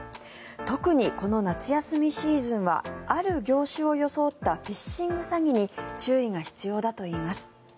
特にこの夏休みシーズンはある業種を装ったフィッシング詐欺に注意が必要だといいます。